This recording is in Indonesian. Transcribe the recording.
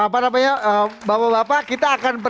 bapak bapak kita akan